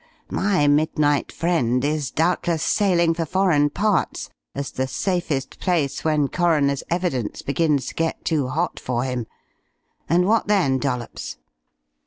My midnight friend is doubtless sailing for foreign parts, as the safest place when coroner's evidence begins to get too hot for him. And what then, Dollops?"